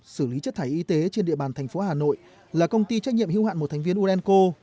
xử lý chất thải y tế trên địa bàn thành phố hà nội là công ty trách nhiệm hưu hạn một thành viên urenco